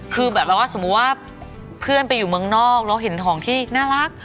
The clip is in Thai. คือแบบว่าสมมุติว่าเพื่อนไปอยู่เมืองนอกแล้วเห็นของที่น่ารัก